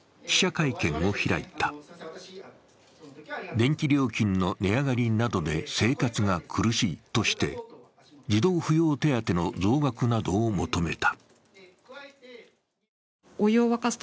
電気料金の値上がりなどで生活が苦しいとして児童扶養手当の増額などを求めた。